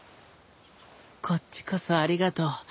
こっちこそありがとう。